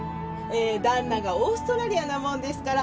え旦那がオーストラリアなもんですから。